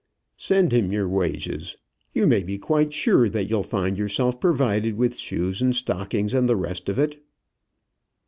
"Send him your wages. You may be quite sure that you'll find yourself provided with shoes and stockings, and the rest of it."